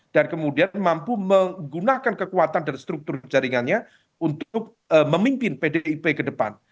dan kemudian mampu menggunakan kekuatan dan struktur jaringannya untuk memimpin pdp ke depan